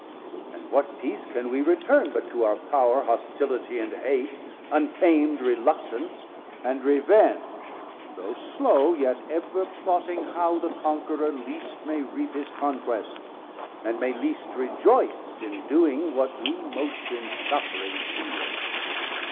and what peace can we return, But to our power hostility and hate, Untam'd reluctance, and revenge though slow, Yet ever plotting how the Conquerour least May reap his conquest, and may least rejoyce In doing what we most in suffering feel?